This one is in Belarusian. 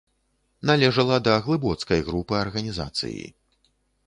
Належала да глыбоцкай групы арганізацыі.